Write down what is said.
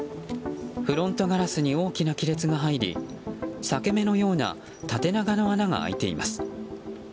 フロントガラスに大きな亀裂が入り裂け目のような縦長の穴が開いています。